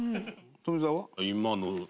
富澤：